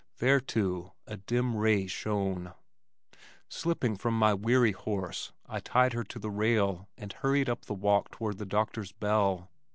There too a dim ray shone. Slipping from my weary horse I tied her to the rail and hurried up the walk toward the doctor's bell.